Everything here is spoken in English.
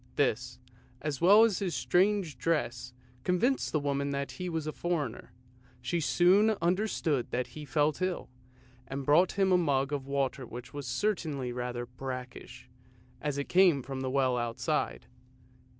This, as well as his strange dress, convinced the woman that he was a foreigner. She soon understood that he felt ill, and brought him a mug of water which was certainly rather brackish, as it came from the well outside.